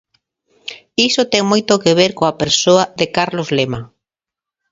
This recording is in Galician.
Iso ten moito que ver coa persoa de Carlos Lema.